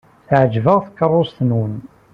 Teɛjeb-aɣ tkeṛṛust-nwen.